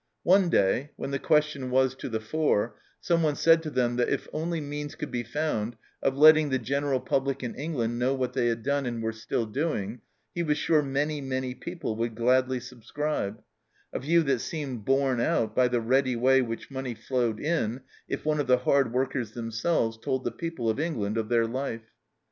One day, when the question was to the fore, someone said to them that if only means could be found of letting the general public in England know what they had done and were still doing, he was sure many, many people would gladly subscribe, a view that seemed borne out by the ready way which money flowed in if one of the hard workers them selves told the people of England of their life.